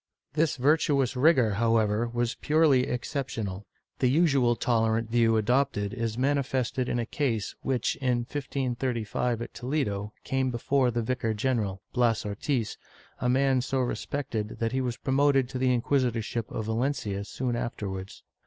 This virtuous rigor, however, was purely exceptional. The usual tolerant view adopted is manifested in a case which, in 1535 at Toledo, came before the vicar general, Bias Ortiz, a man so respected that he was promoted to the inquisitorship of Valencia soon afterwards.